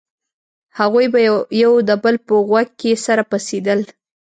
هغوى به يو د بل په غوږ کښې سره پسېدل.